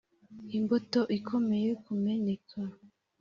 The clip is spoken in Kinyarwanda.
imbuto ikomeye kumeneka.